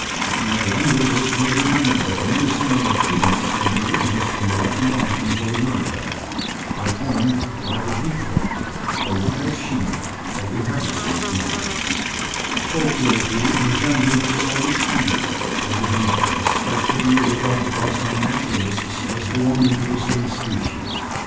My young readers may remember that many similar feats have been witnessed in the Rocky Mountains of America, performed by the "bighorn" a wild sheep that inhabits these mountains, so closely resembling the Ovis ammon of the Himalayas, as to be regarded by some naturalists as belonging to the same species.